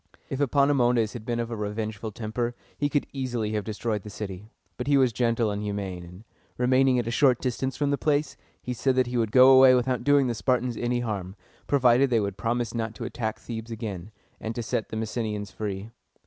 If Epaminondas had been of a revengeful temper, he could easily have destroyed the city; but he was gentle and humane, and, remaining at a short distance from the place, he said that he would go away without doing the Spartans any harm, provided they would promise not to attack Thebes again, and to set the Messenians free.